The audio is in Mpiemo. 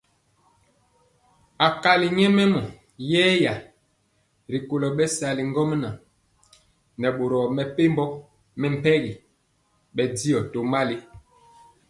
Akali nyɛmemɔ yeya rikolo bɛsali ŋgomnaŋ nɛ boro mepempɔ mɛmpegi bɛndiɔ tomali.